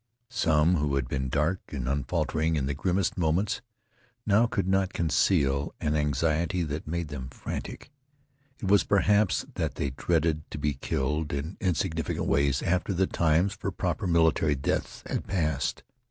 Some who had been dark and unfaltering in the grimmest moments now could not conceal an anxiety that made them frantic. It was perhaps that they dreaded to be killed in insignificant ways after the times for proper military deaths had passed.